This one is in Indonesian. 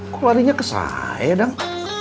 kok larinya ke saya dong